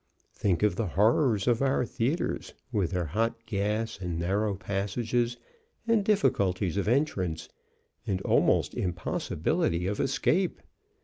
Think of the horrors of our theatres, with their hot gas, and narrow passages, and difficulties of entrance, and almost impossibility of escape!